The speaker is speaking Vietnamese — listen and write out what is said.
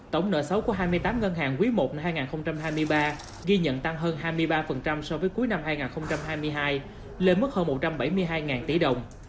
tổng nợ xấu của hai mươi tám ngân hàng quý i năm hai nghìn hai mươi ba ghi nhận tăng hơn hai mươi ba so với cuối năm hai nghìn hai mươi hai lên mức hơn một trăm bảy mươi hai tỷ đồng